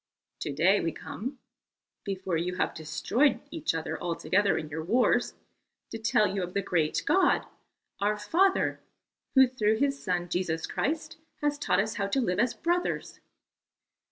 To day we come before you have destroyed each other altogether in your wars to tell you of the great God, our Father, who through His Son Jesus Christ has taught us how to live as brothers."